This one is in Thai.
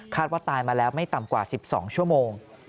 ว่าตายมาแล้วไม่ต่ำกว่า๑๒ชั่วโมง